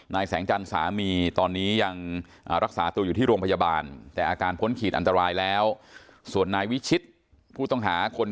นายแสงจันทร์สามีตอนนี้ยัง